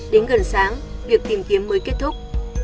đến gần sáng việc tìm kiếm mới kết thúc